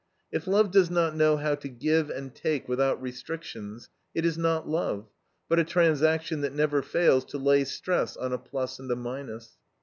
If love does not know how to give and take without restrictions, it is not love, but a transaction that never fails to lay stress on a plus and a minus.